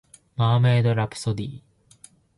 マーメイドラプソディ